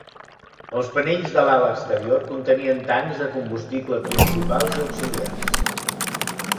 Els panells de l'ala exterior contenien tancs de combustible principals i auxiliars.